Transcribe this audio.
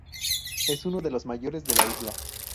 Es uno de los mayores de la isla.